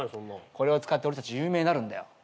これを使って俺たち有名になるんだよ。